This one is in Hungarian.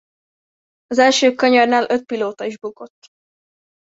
Az első kanyarnál öt pilóta is bukott.